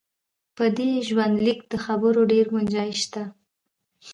په دې ژوندلیک د خبرو ډېر ګنجایش شته.